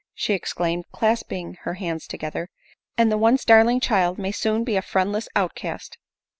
she exclaimed, clasp ing her hands together, " and the once darling child may soon be a friendless outcast